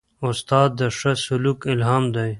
استاد د ښه سلوک الهام دی.